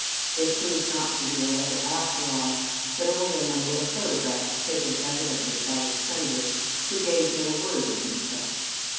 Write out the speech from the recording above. It proved not to be a letter, after all, but only a number of photographs, taken evidently by the sender, who gave no word of himself.